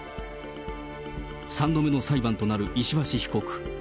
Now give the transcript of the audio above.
３度目の裁判となる石橋被告。